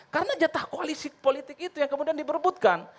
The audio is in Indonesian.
karena jatah koalisi politik itu yang kemudian diperbutkan